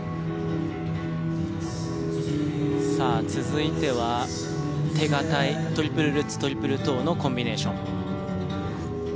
さあ続いては手堅いトリプルルッツトリプルトーのコンビネーション。